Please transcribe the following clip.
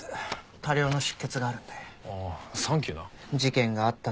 多量の出血があるので。